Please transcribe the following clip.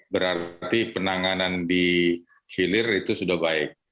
berarti penanganan di hilir itu sudah baik